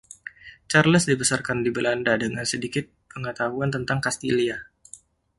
Charles dibesarkan di Belanda dengan sedikit pengetahuan tentang Kastilia.